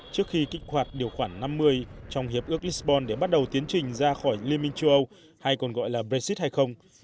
trước khi kích hoạt điều khoản năm mươi trong hiệp ước isbon để bắt đầu tiến trình ra khỏi liên minh châu âu hay còn gọi là brexit hay không